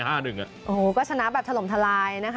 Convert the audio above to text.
โอ้โหก็ชนะแบบถล่มทลายนะคะ